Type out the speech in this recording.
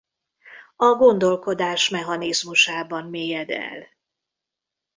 A gondolkodás mechanizmusában mélyed el.